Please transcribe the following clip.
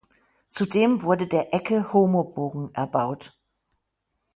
Zudem wurde der Ecce-Homo-Bogen erbaut.